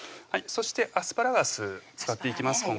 そしてアスパラガス使っていきます